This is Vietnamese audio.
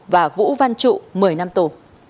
và vũ văn trụ một mươi năm tủ